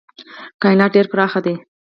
کاینات ډېر پراخ دي.